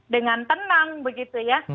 dengan tenang begitu ya